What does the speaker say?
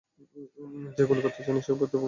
যে গুলি করতে চায় না, সে প্রকৃতপক্ষে গুলি করে না।